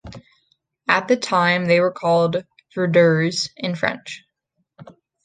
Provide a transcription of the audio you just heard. At the time they were called "verdures" in French.